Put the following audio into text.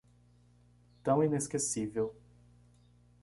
Tão inesquecível